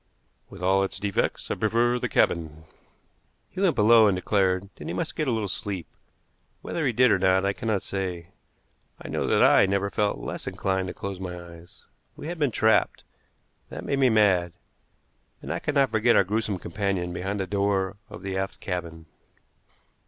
With all its defects I prefer the cabin." He went below and declared that he must get a little sleep. Whether he did or not, I cannot say; I know that I never felt less inclined to close my eyes. We had been trapped, that made me mad; and I could not forget our gruesome companion behind the door of the aft cabin.